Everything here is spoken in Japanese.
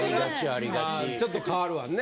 あちょっと変わるわね。